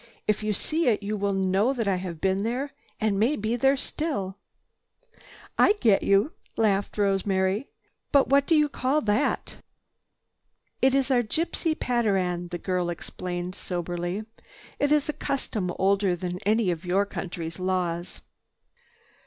If you see it you will know that I have been there and may be there still." "I get you," Rosemary laughed, "but what do you call that?" "It is our gypsy patteran," the girl explained soberly. "It is a custom older than any of your country's laws."